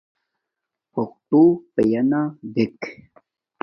پرَق تݸ پئنݳ دݵک.